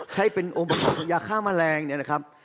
ใช้เป็นโอมบัติธรรมยาฆ่าแมลงเนี่ยนะครับ